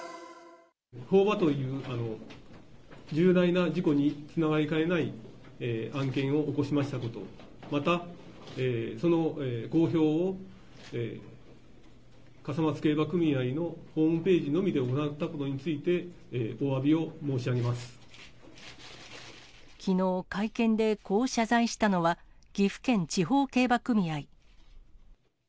放馬という、重大な事故につながりかねない案件を起こしましたことを、また、その公表を笠松競馬組合のホームページのみで行ったことについて、きのう、会見でこう謝罪したのは、岐阜県地方競馬組合。